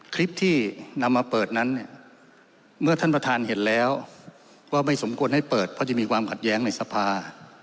คลิปที่นำมาเปิดนั้นเนี่ยเมื่อท่านประธานเห็นแล้วว่าไม่สมควรให้เปิดเพราะจะมีความขัดแย้งในสภา